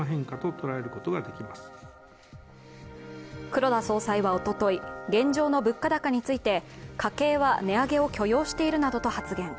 黒田総裁はおととい、現状の物価高について家計は値上げを許容しているなどと発言。